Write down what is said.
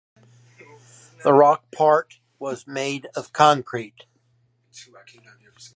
The rock part was made of concrete.